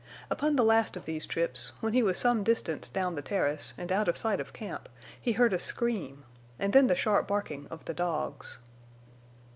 Upon the last of these trips, when he was some distance down the terrace and out of sight of camp, he heard a scream, and then the sharp barking of the dogs.